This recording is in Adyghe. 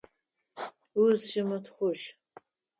Узыщымытхъужь.